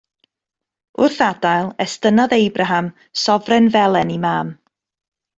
Wrth adael, estynnodd Abraham sofren felen i mam.